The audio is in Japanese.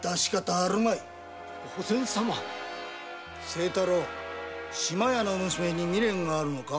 清太郎嶋屋の娘に未練があるのか？